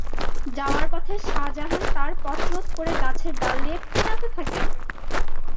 যাওয়ার পথে শাহজাহান তাঁর পথরোধ করে গাছের ডাল দিয়ে পেটাতে থাকেন।